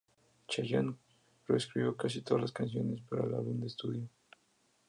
Chayanne coescribió casi todas las canciones para el álbum de estudio.